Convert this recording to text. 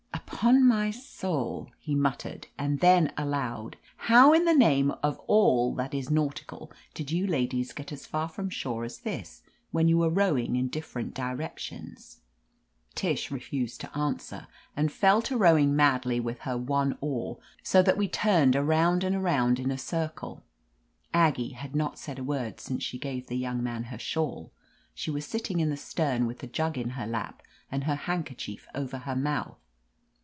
"Upon my soul!" he muttered, and then aloud : "How in the name of all that is nau tical did you ladies get as far from shore as this, when you are rowing in different direc tions?" Tish refused to answer, and fell to rowing madly with her one oar, so that we turned around and around in a circle. Aggie had not 308 OF LETITIA CARBERRY said a word since she gave the young man her shawl. She was sitting in the stem with the jug in her lap and her handkerchief over her mouth.